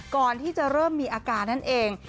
ก่อนที่จะเริ่มมีอาการนั่นเอง